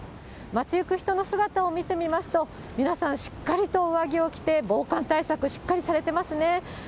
街行く人の姿を見てみますと、皆さんしっかりと上着を着て、防寒対策しっかりされてますね。